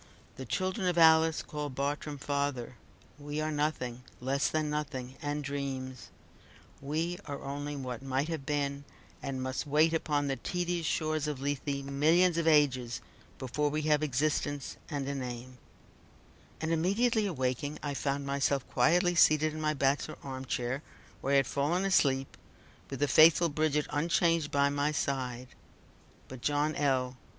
The children of Alice called Bartrum father. We are nothing; less than nothing, and dreams. We are only what might have been, and must wait upon the tedious shores of Lethe millions of ages before we have existence, and a name" and immediately awaking, I found myself quietly seated in my bachelor arm chair, where I had fallen asleep, with the faithful Bridget unchanged by my side but John L.